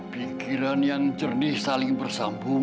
pikiran yang cerdih saling bersambungan